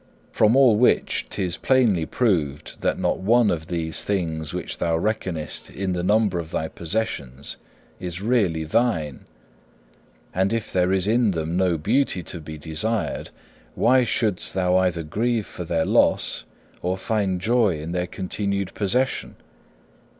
From all which 'tis plainly proved that not one of these things which thou reckonest in the number of thy possessions is really thine. And if there is in them no beauty to be desired, why shouldst thou either grieve for their loss or find joy in their continued possession?